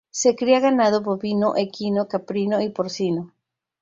Se cría ganado bovino, equino, caprino y porcino.